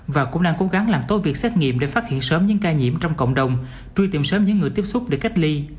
và cũng đang cố gắng làm tốt việc xét nghiệm để phát hiện sớm những ca nhiễm trong cộng đồng truy tìm sớm những người tiếp xúc để cách ly